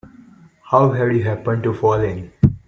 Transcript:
How'd you happen to fall in?